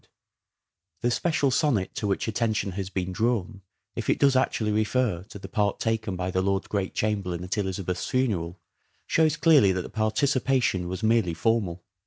Oxford and The special sonnet to which attention has been s drawn, if it does actually refer to the part taken by the Lord Great Chamberlain at Elizabeth's funeral shows clearly that the participation was merely formal.